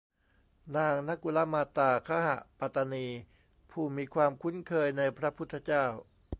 นางนกุลมาตาคหปตานี ผู้มีความคุ้นเคยในพระพุทธเจ้า